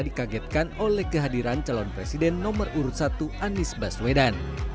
dikagetkan oleh kehadiran calon presiden nomor urut satu anies baswedan